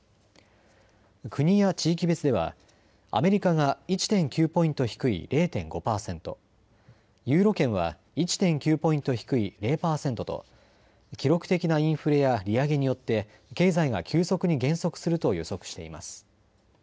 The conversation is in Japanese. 国や地域別ではアメリカが１．９ポイント低い０．５％、ユーロ圏は１．９ポイント低い０％と、記録的なインフレや利上げによって経済が急速に減速すると予測しています。